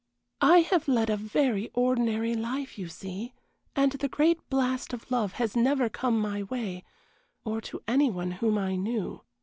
"I have led a very ordinary life, you see, and the great blast of love has never come my way, or to any one whom I knew.